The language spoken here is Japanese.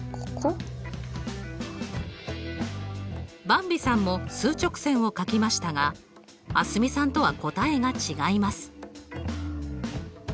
ばんびさんも数直線を書きましたが蒼澄さんとは答えが違います。